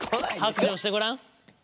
白状してごらん？